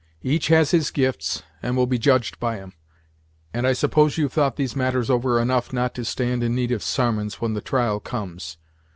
Each has his gifts, and will be judged by 'em, and I suppose you've thought these matters over enough not to stand in need of sarmons when the trial comes.